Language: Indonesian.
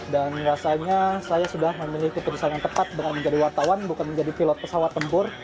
dan rasanya saya sudah memiliki perusahaan yang tepat dengan menjadi wartawan bukan menjadi pilot pesawat tempur